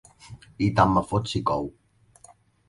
I tant me fot si cou.